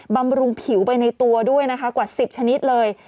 บำรุงผิวไปในตัวด้วยนะคะกว่า๑๐ชนิดเลย